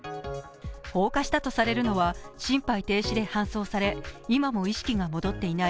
放火したとされるのは心肺停止で搬送され今も意識が戻っていない、